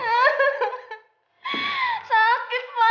cerita sama papa